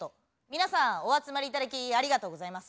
皆さんお集まり頂きありがとうございます。